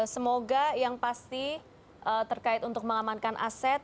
semoga yang pasti terkait untuk mengamankan aset